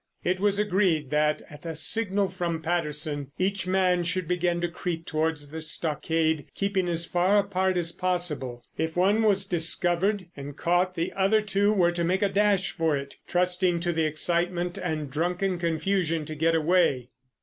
It was agreed that at a signal from Patterson each man should begin to creep towards the stockade, keeping as far apart as possible. If one was discovered and caught the other two were to make a dash for it, trusting to the excitement and drunken confusion to get away.